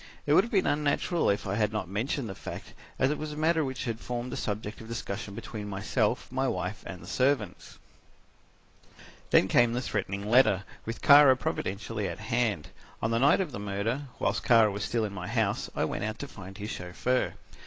It would have been unnatural if I had not mentioned the fact, as it was a matter which had formed a subject of discussion between myself, my wife and the servants. "Then came the threatening letter, with Kara providentially at hand. On the night of the murder, whilst Kara was still in my house, I went out to find his chauffeur.